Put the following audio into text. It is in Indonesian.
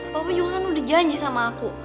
papa yohan udah janji sama aku